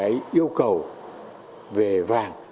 yêu cầu về vàng